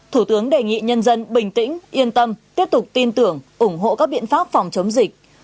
thủ tướng đề nghị nhân dân bình tĩnh yên tâm tiếp tục tin tưởng ủng hộ các biện pháp phòng chống dịch